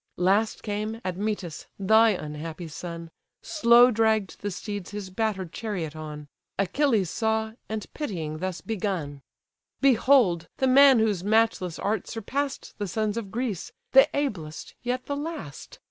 Last came, Admetus! thy unhappy son; Slow dragged the steeds his batter'd chariot on: Achilles saw, and pitying thus begun: "Behold! the man whose matchless art surpass'd The sons of Greece! the ablest, yet the last!